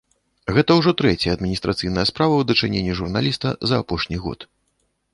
Гэта ўжо трэцяя адміністрацыйная справа ў дачыненні журналіста за апошні год.